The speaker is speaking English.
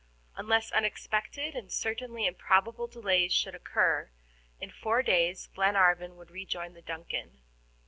Unless unexpected and certainly improbable delays should occur, in four days Glenarvan would rejoin the DUNCAN.